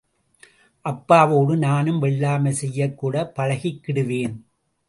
அப்பாவோடு நானும் வெள்ளாமை செய்யக் கூடப் பழகிக்கிடுவேன்.